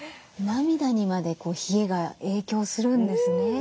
涙にまで冷えが影響するんですね。